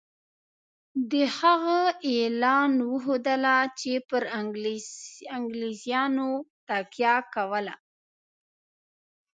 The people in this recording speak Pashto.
د هغه اعلان وښودله چې پر انګلیسیانو تکیه کوله.